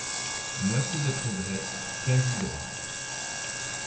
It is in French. Moitié de progrès ; quasi-droit.